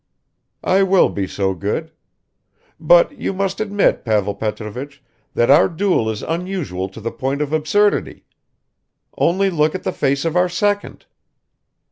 "I will be so good. But you must admit, Pavel Petrovich, that our duel is unusual to the point of absurdity. Only look at the face of our second."